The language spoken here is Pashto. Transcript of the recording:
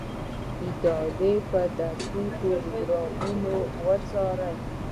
ادارې به درسي پروګرامونه وڅاري.